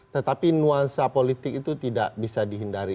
tetapi nuansa politik itu tidak bisa dihindari